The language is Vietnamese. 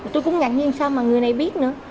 tôi cũng ngạc nhiên sau mà người này biết nữa